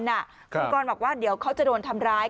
คุณกรบอกว่าเดี๋ยวเขาจะโดนทำร้าย